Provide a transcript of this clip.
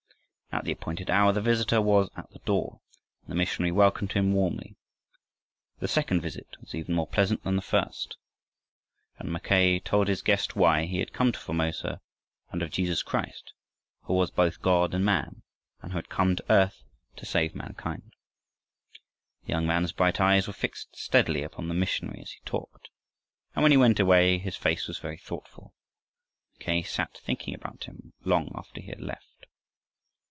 At the appointed hour the visitor was at the door, and the missionary welcomed him warmly. The second visit was even more pleasant than the first. And Mackay told his guest why he had come to Formosa, and of Jesus Christ who was both God and man and who had come to the earth to save mankind. The young man's bright eyes were fixed steadily upon the missionary as he talked, and when he went away his face was very thoughtful. Mackay sat thinking about him long after he had left.